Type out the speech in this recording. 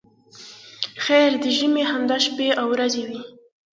خیر د ژمي همدا شپې او ورځې وې.